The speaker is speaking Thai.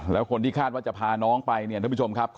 แล้วคนที่คาดว่าจะพาน้องไปทุกผู้ชมครับ